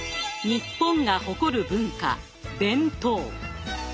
日本が誇る文化弁当。